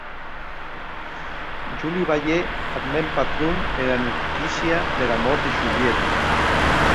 Jo li balhè ath mèn patron era notícia dera mòrt de Julieta.